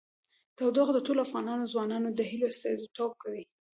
تودوخه د ټولو افغان ځوانانو د هیلو استازیتوب کوي.